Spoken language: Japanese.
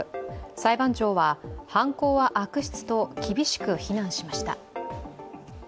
裁判長は、犯行は悪質と厳しく非難しました。